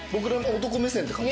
男目線って感じ。